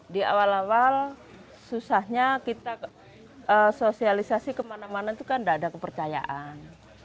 di awal awal susahnya kita sosialisasi kemana mana itu kan tidak ada kepercayaan